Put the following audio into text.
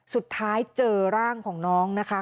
สุดท้ายเจอร่างของน้องนะคะ